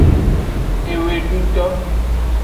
Eweduto.